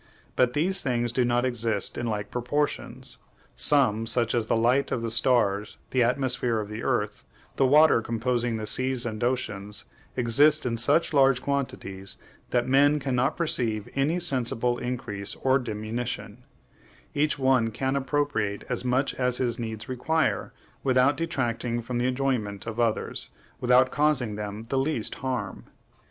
But these things do not exist in like proportions. Some, such as the light of the stars, the atmosphere of the earth, the water composing the seas and oceans, exist in such large quantities that men cannot perceive any sensible increase or diminution; each one can appropriate as much as his needs require without detracting from the enjoyment of others, without causing them the least harm.